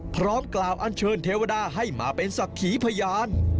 พร้อมกล่าวอันเชิญเทวดาให้มาเป็นศักดิ์ขีพยาน